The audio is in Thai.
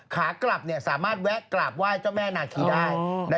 ขากลับสามารถแวะกราบไหว้เจ้าแม่นาคีได้